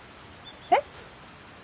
えっ？